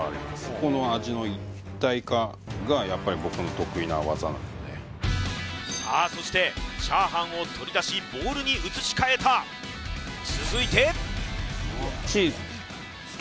この味の一体化がやっぱり僕の得意な技なのでさあそして炒飯を取り出しボウルに移し替えた続いてチーズですね